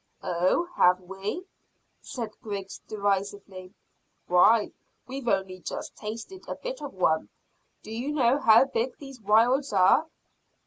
"Oh, have we?" said Griggs derisively. "Why, we've only just tasted a bit of one. Do you know how big these wilds are?"